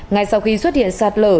ngay sau khi xuất hiện sạt lở